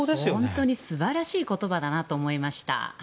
本当に素晴らしい言葉だなと思いました。